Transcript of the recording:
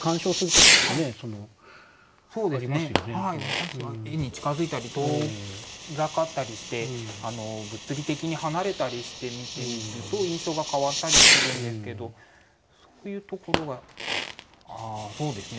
私は絵に近づいたり遠ざかったりして物理的に離れたりして見てみると印象が変わったりするんですけどそういうところがそうですね